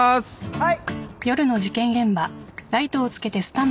はい。